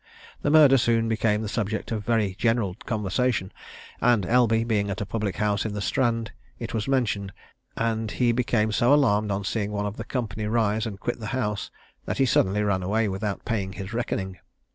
The murder soon became the subject of very general conversation, and Elby being at a public house in the Strand, it was mentioned, and he became so alarmed on seeing one of the company rise and quit the house, that he suddenly ran away, without paying his reckoning.